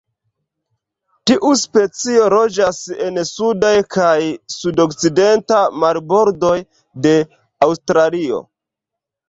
Tiu specio loĝas en sudaj kaj sudokcidenta marbordoj de Aŭstralio.